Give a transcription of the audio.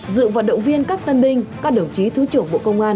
dự và động viên các tân binh các đồng chí thứ trưởng bộ công an nhân dân